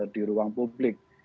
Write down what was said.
di ruang publik